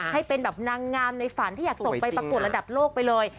ให้เป็นแบบนางงามในฝันที่อยากส่งไปประกวดระดับโลกไปเลย